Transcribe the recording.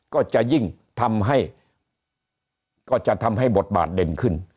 ก็จะยิ่งทำให้บทบาทเด่นขึ้น